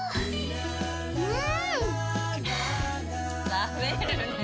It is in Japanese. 食べるねぇ。